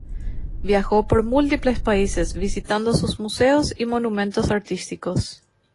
Viajó por múltiples países, visitando sus museos y monumentos artísticos.